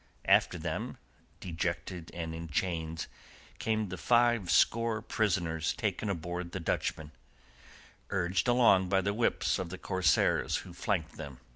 After them, dejected and in chains, came the five score prisoners taken aboard the Dutchman, urged along by the whips of the corsairs who flanked them.